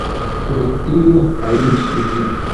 Ur ddiɣ ɣer yimsujji.